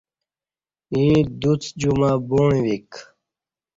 ییں دوڅ جمعہ بوعݩویک